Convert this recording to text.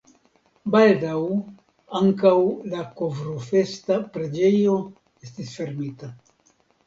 Baldaŭ ankaŭ la Kovrofesta preĝejo estis fermita.